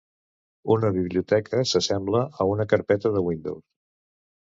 Una biblioteca s'assembla a una carpeta del Windows.